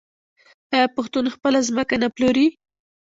آیا پښتون خپله ځمکه نه پلوري؟